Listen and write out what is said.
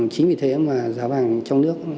chính vì thế mà giá vàng trong nước